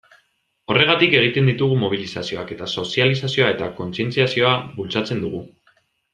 Horregatik egiten ditugu mobilizazioak, eta sozializazioa eta kontzientziazioa bultzatzen dugu.